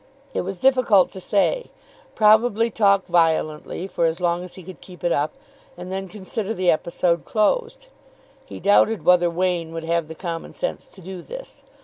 It was difficult to say. Probably talk violently for as long as he could keep it up, and then consider the episode closed. He doubted whether Wain would have the common sense to do this.